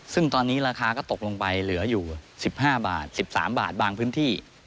ซึ่งตอนนี้ราคาก็ตกลงไปเหลืออยู่๑๕บาท๑๓บาทบางพื้นที่